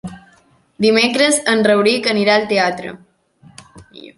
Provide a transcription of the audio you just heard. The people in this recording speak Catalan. Dimecres en Rauric anirà al teatre.